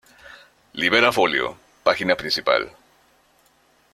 Libera Folio, página principal